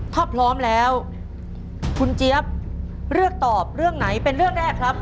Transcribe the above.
ถ้าพร้อมแล้วคุณเจี๊ยบเลือกตอบเรื่องไหนเป็นเรื่องแรกครับ